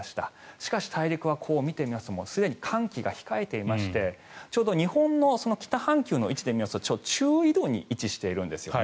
しかし大陸を見てみますとすでに寒気が控えていてちょうど日本の北半球の位置で見ますと中緯度に位置しているんですね。